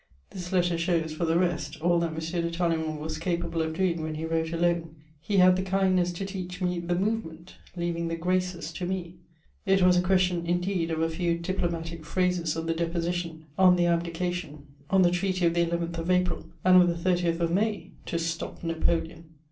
This letter shows, for the rest, all that M. de Talleyrand was capable of doing when he wrote alone: he had the kindness to teach me the "movement," leaving the "graces" to me. It was a question indeed of a few diplomatic phrases on the deposition, on the abdication, on the Treaty of the 11th of April and of the 30th of May, to stop Napoleon!